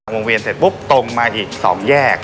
วงเวียนเสร็จปุ๊บตรงมาอีก๒แยก